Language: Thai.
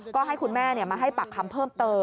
ก็ให้คุณแม่มาให้ปากคำเพิ่มเติม